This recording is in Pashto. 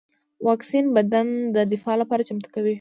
واکسین بدن د دفاع لپاره چمتو کوي